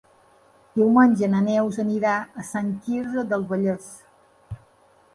Diumenge na Neus anirà a Sant Quirze del Vallès.